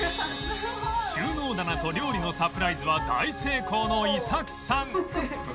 収納棚と料理のサプライズは大成功の衣咲さん